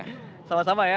sama sama ya satu dua tiga